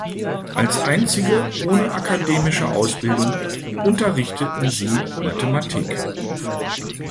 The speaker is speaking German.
Als einzige ohne akademische Ausbildung unterrichteten sie Mathematik.